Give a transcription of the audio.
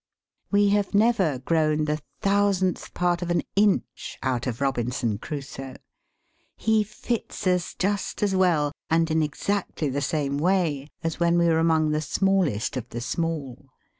We have never grown the thousandth part of an inch out of Robinson Crusoe. He fits us just as well, and in exactly the same way, as when we were among the smallest of the small.